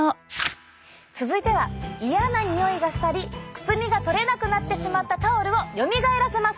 続いては嫌なにおいがしたりくすみが取れなくなってしまったタオルをよみがえらせます！